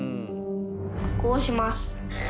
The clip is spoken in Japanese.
こうします。